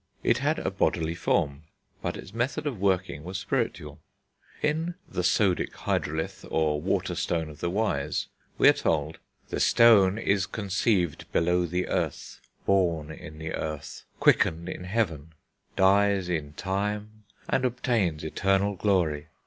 It had a bodily form, but its method of working was spiritual. In The Sodic Hydrolith, or Water Stone of the Wise we are told: "The stone is conceived below the earth, born in the earth, quickened in heaven, dies in time, and obtains eternal glory....